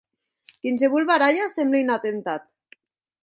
Quinsevolh barralha semble un atemptat.